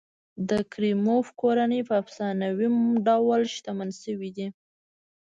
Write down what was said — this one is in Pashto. د کریموف کورنۍ په افسانوي ډول شتمن شوي دي.